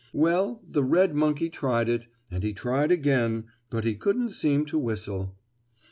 Well, the red monkey tried it, and he tried again, but he couldn't seem to whistle.